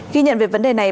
ghi nhận về vấn đề này